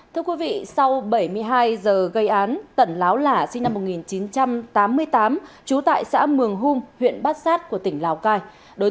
thưa quý vị sau bảy mươi hai giờ gây án tẩn láo lả sinh năm một nghìn chín trăm tám mươi tám trú tại xã mường hung huyện bát sát của tỉnh lào cai